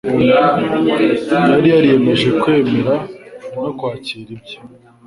Yari yariyemeje kwemera no kwakira ibye.